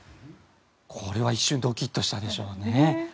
これは一瞬ドキッとしたでしょうね。